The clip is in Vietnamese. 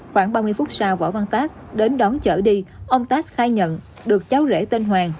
khoảng ba mươi phút sau võ văn tác đến đón chở đi ông tát khai nhận được cháu rễ tên hoàng